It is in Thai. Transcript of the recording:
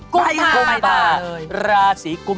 กุมภาราศีกุม